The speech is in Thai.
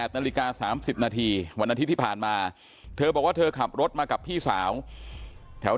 นาฬิกา๓๐นาทีวันอาทิตย์ที่ผ่านมาเธอบอกว่าเธอขับรถมากับพี่สาวแถว